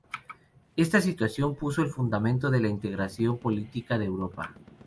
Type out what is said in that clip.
Esta situación puso el fundamento de la integración política de Europa.